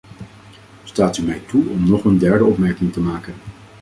Staat u mij toe om nog een derde opmerking te maken.